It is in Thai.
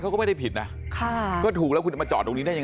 เขาก็ไม่ได้ผิดนะค่ะก็ถูกแล้วคุณจะมาจอดตรงนี้ได้ยังไง